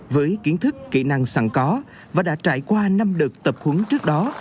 với kiến thức kỹ năng sẵn có và đã trải qua năm đợt tập huấn trước đó